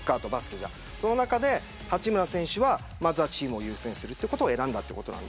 その中で八村選手はまずはチームを優先するということを選びました。